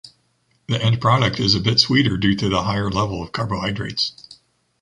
The end product is a bit sweeter due to the higher level of carbohydrates.